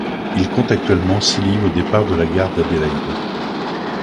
Il compte actuellement six lignes au départ de la gare d'Adélaïde.